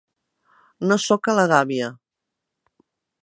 No sóc a la Gàbia.